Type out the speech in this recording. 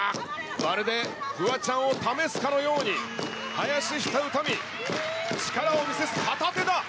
まるでフワちゃんを試すかのように、林下詩美、力を見せつける、片手だ！